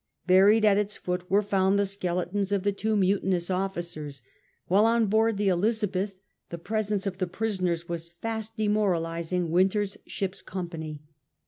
Buried at its foot they found the skeletons of the two mutinous officers, while on board the Elizabeth the presence of the prisoners wa^ fast demoralising Wynter's ship's com pany.